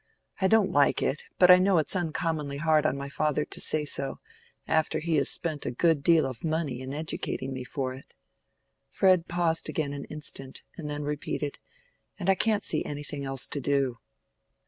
I don't like it, but I know it's uncommonly hard on my father to say so, after he has spent a good deal of money in educating me for it." Fred paused again an instant, and then repeated, "and I can't see anything else to do."